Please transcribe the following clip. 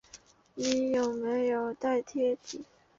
你有没有带贴纸